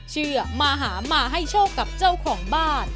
เชื่อมาหามาให้โชคกับเจ้าของบ้าน